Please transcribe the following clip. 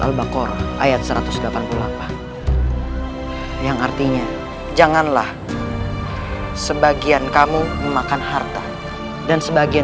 al baqarah ayat satu ratus delapan puluh delapan yang artinya janganlah sebagian kamu memakan harta dan sebagian